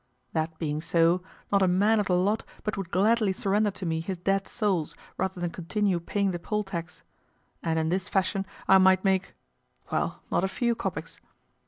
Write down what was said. That being so, not a man of the lot but would gladly surrender to me his dead souls rather than continue paying the poll tax; and in this fashion I might make well, not a few kopecks.